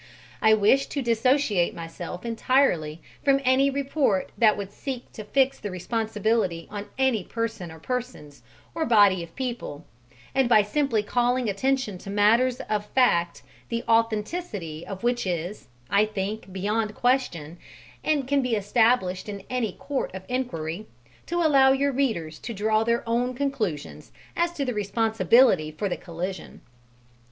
I wish to dissociate myself entirely from any report that would seek to fix the responsibility on any person or persons or body of people, and by simply calling attention to matters of fact the authenticity of which is, I think, beyond question and can be established in any Court of Inquiry, to allow your readers to draw their own conclusions as to the responsibility for the collision.